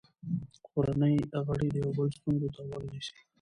کورنۍ غړي د یو بل ستونزو ته غوږ نیسي